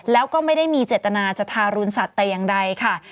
แล้วก็ไม่ได้มีเจตนาจะทารุณสัตว์แต่อย่างใดค่ะ